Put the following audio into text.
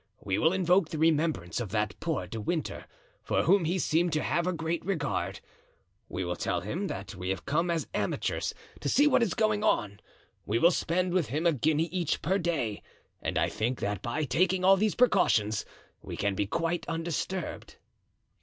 We will invoke the remembrance of that poor De Winter, for whom he seemed to have a great regard; we will tell him that we have come as amateurs to see what is going on; we will spend with him a guinea each per day; and I think that by taking all these precautions we can be quite undisturbed."